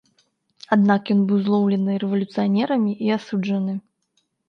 Аднак ён быў злоўлены рэвалюцыянерамі і асуджаны.